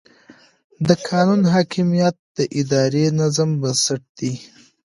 د قانون حاکمیت د اداري نظام بنسټ دی.